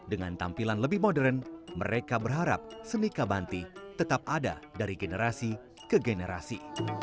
dengan tampilan lebih modern mereka berharap seni kabanti tetap ada dari generasi ke generasi